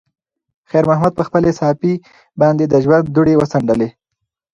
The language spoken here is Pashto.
خیر محمد په خپلې صافې باندې د ژوند دوړې وڅنډلې.